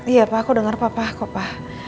iya pak aku denger papa kok pak